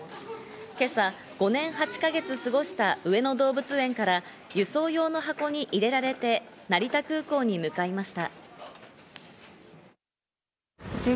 今朝５年８か月過ごした上野動物園から輸送用の箱に入れられて成田空港に向かいました。